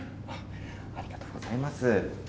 ありがとうございます。